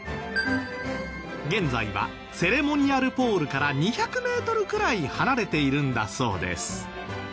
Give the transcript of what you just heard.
現在はセレモニアルポールから２００メートルくらい離れているんだそうです。